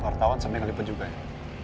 warna tahun sampai ngeliput juga ya